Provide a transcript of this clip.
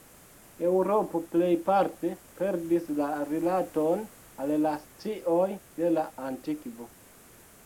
Eŭropo plejparte perdis la rilaton al la scioj de la antikvo.